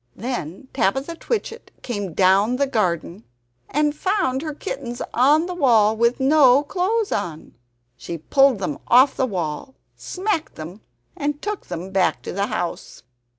Then Tabitha Twitchit came down the garden and found her kittens on the wall with no clothes on. She pulled them off the wall, smacked them, and took them back to the house.